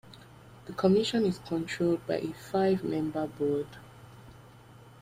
The Commission is controlled by a five-member board.